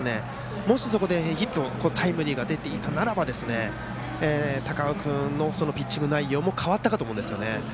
もし、そこでタイムリーが出ていたなら高尾君のピッチング内容も変わったかと思うんですよね。